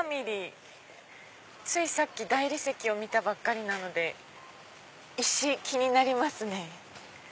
ついさっき大理石を見たばっかりなので石気になりますね。